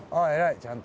ちゃんと。